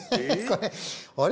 あれ？